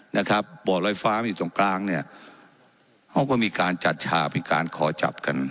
นะครับบ่อลอยฟ้ามันอยู่ตรงกลางเนี่ยเขาก็มีการจัดฉากเป็นการขอจับกัน